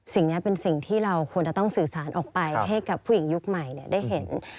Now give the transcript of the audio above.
สิ่งนี้เป็นสิ่งที่เราควรจะต้องสื่อสารออกไปให้กับผู้หญิงยุคใหม่ได้เห็น